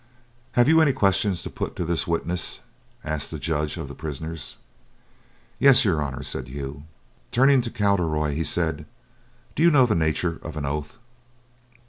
"Have you any questions to put to this witness?" asked the Judge of the prisoners. "Yes, your Honour," said Hugh. Then turning to Cowderoy, he said: "Do you know the nature of an oath?"